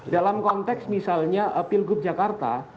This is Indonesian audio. dalam konteks misalnya pilgub jakarta